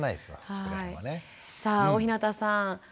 さあ大日向さん